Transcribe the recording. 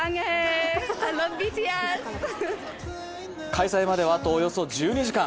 開催まであとおよそ１２時間。